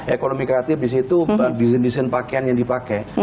ekonomi kreatif di situ desain desain pakaian yang dipakai